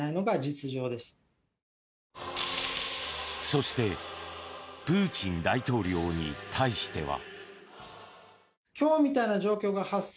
そしてプーチン大統領に対しては。